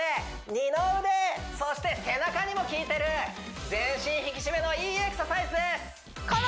二の腕そして背中にもきいてる全身引き締めのいいエクササイズです！